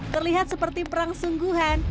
terlihat seperti perang sungguhan